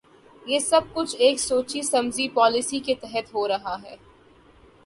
یہ سب کچھ ایک سوچی سمجھی پالیسی کے تحت ہو رہا ہے۔